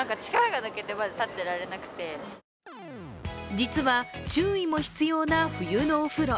実は注意も必要な冬のお風呂。